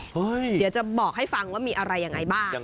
เดี๋ยวจะบอกให้ฟังว่ามีอะไรยังไงบ้าง